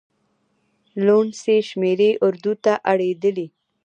لوڼسې شمېرې اردو ته اړېدلي.